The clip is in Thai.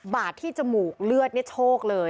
บาดที่จมูกเลือดเนี่ยโชคเลย